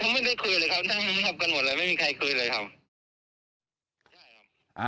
เขาไม่เคยเคยเลยครับท่านมันทำกันหมดแล้วไม่มีใครเคยเลยครับ